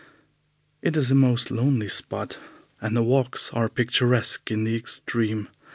It is a most lonely spot, and the walks are picturesque in the extreme.